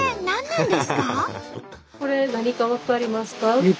これ何か分かりますか？